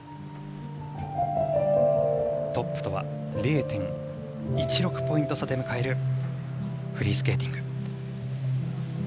トップとは０．１６ポイント差で迎えるフリースケーティング。